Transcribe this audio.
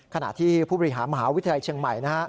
ขณะที่ผู้บริหารมหาวิทยาลัยเชียงใหม่นะฮะ